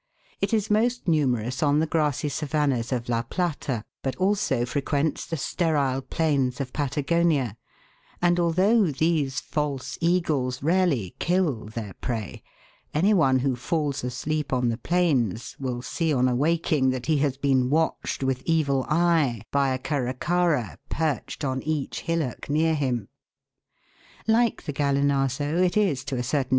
It is most numerous on the grassy savannahs of La Plata, but also frequents the sterile plains of Patagonia, and although these false eagles rarely kill their prey, any one who falls asleep on the plains will see on awaking that he has been watched with evil eye by a Caracara perched on each hillock near him. Like the Gallinazo, it is to a certain